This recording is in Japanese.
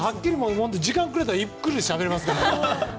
時間をくれたらゆっくりしゃべれますから。